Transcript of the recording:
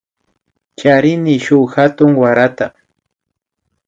Charini shuk hatun warata